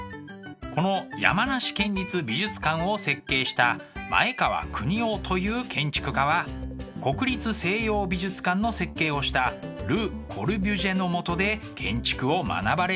この山梨県立美術館を設計した前川國男という建築家は国立西洋美術館の設計をしたル・コルビュジエのもとで建築を学ばれたそうです。